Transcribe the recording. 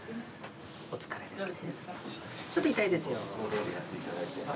お疲れですね。